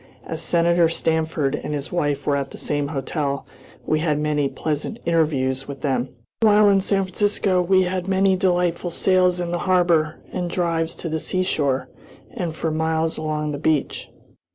As Senator Stanford and his wife were at the same hotel, we had many pleasant interviews with them. While in San Francisco we had many delightful sails in the harbor and drives to the seashore and for miles along the beach.